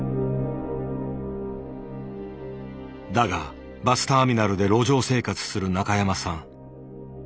だがバスターミナルで路上生活する中山さん。